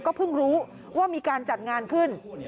เพิ่งรู้ว่ามีการจัดงานขึ้น